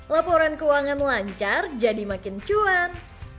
laporan keuangan lancar jadi makin cuan